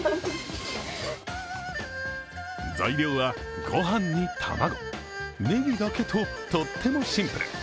材料はご飯に卵、ネギだけととってもシンプル。